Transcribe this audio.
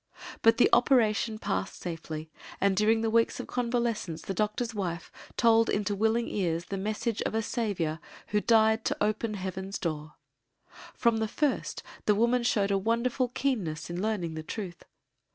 But the operation passed safely and during the weeks of convalescence the doctor's wife told into willing ears the message of a Saviour who died to "open Heaven's door." From the first the woman showed a wonderful keenness in learning the truth.